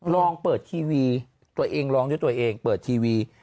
ลองเปิดทีวีตัวเองลองด้วยตัวเองเปิดทีวี